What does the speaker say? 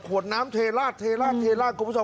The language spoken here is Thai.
ขวดน้ำเทราะครับผู้ชม